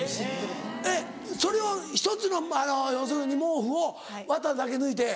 えっそれは１つの要するに毛布を綿だけ抜いて。